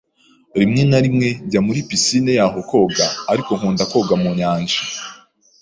Rimwe na rimwe njya muri pisine yaho koga, ariko nkunda koga mu nyanja.